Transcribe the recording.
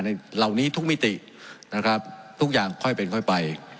เหล่านี้ทุกมิตินะครับทุกอย่างค่อยเป็นค่อยไป